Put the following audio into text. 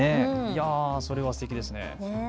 それはすてきですね。